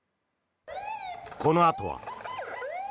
このあとは。